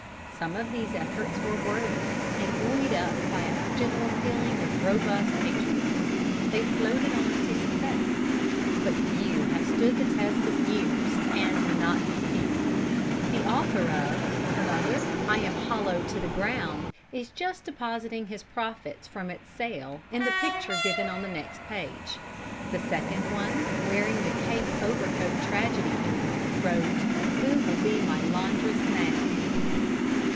Some of these efforts were worthy, and, buoyed up by a general feeling of robust patriotism, they floated on to success; but few have stood the test of years and monotonous peace. The author of "Mother, I am hollow to the ground" is just depositing his profits from its sale in the picture given on next page. The second one, wearing the cape overcoat tragedy air, wrote "Who will be my laundress now?"